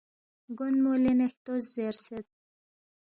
گونمو لینے ہلتوس زیرسید